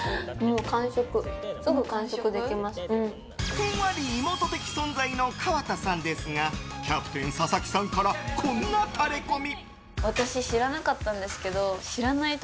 ふんわり妹的存在の河田さんですがキャプテン佐々木さんからこんなタレコミ。